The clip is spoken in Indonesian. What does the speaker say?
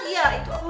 iya itu apa